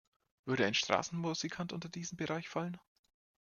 Würde ein Straßenmusikant unter diesen Bereich fallen?